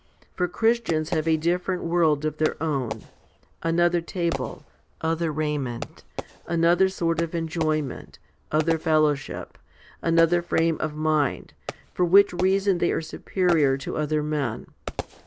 For Christians have a different world of their own, another table, other raiment, another sort of enjoyment, other fellowship, another frame of mind ; for which reason they are superior to other men.